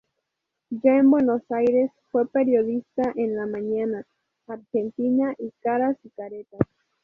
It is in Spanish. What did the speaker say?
Ya en Buenos Aires, fue periodista en "La Mañana", "Argentina" y "Caras y Caretas".